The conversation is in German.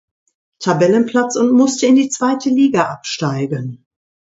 Tabellenplatz und musste in die zweite Liga absteigen.